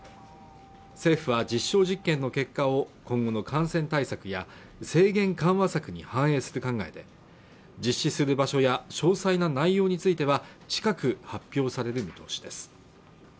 政府は実証実験の結果を今後の感染対策や制限緩和策に反映する考えで実施する場所や詳細な内容については近く発表される見通しです